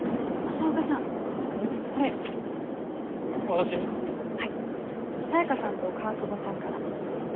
サヤカさんと川久保さんから。